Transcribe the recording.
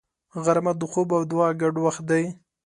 غرمه د خوب او دعا ګډ وخت دی